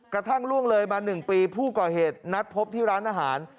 กระทั่งล่วงเลยมา๑ปีผู้ก่อเหตุนัดพบที่ร้านอาหาร